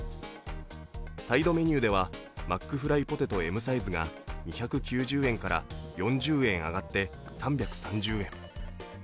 サイドメニューでは、マックフライポテトＭサイズが２９０円から４０円上がって３３０円。